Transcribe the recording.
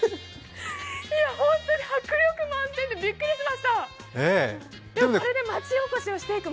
本当に迫力満点でびっくりしました。